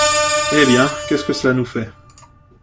Eh bien, qu’est-ce que cela nous fait?...